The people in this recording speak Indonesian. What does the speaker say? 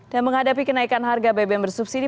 dan menghadapi kenaikan harga bbm bersubsidi